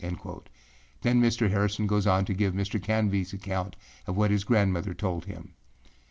â Then Mr. Harrison goes on to give Mr. Canbyâs account of what his grandmother told him.